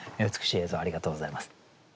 美しい映像ありがとうございます。